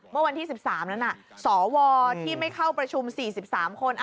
เมื่อวันที่๑๓นั้นสวที่ไม่เข้าประชุม๔๓คน